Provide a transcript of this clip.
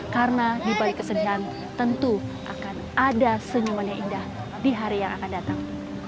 karena di balik kesedihan tentu akan ada senyuman yang indah di hari yang akan datang